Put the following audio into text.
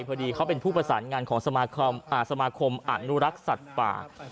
พอดีเขาเป็นผู้ประสานงานของสมาคมอนุรักษ์สัตว์ป่า